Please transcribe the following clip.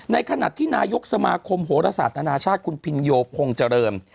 ในขณะที่นายกสมาคมโหระสาธารณาชาติคุณพินโยพงเจริม